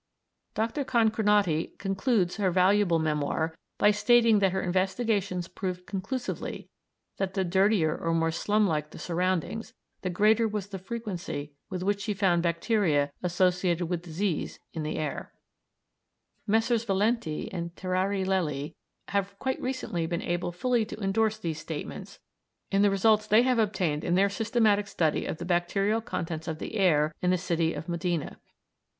Dr. Concornotti concludes her valuable memoir by stating that her investigations proved conclusively that the dirtier or more slumlike the surroundings, the greater was the frequency with which she found bacteria associated with disease in the air. See "Sunshine and Life." Messrs. Valenti and Terrari Lelli have quite recently been able fully to endorse these statements in the results they have obtained in their systematic study of the bacterial contents of the air in the city of Modena.